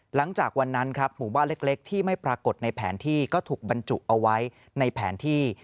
หลังจากวันนั้นครับหมู่บ้านเล็กที่ไม่ปรากฏในแผนที่ก็ถูกบรรจุเอาไว้ในแผนที่